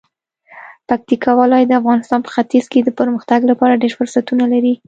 پکتیکا ولایت د افغانستان په ختیځ کې د پرمختګ لپاره ډیر فرصتونه لري.